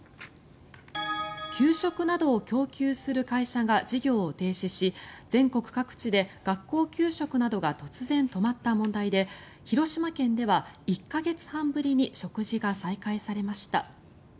給食などを供給する会社が事業を停止し全国各地で学校給食などが突然止まった問題で広島県では１か月半ぶりに食事が再開されました。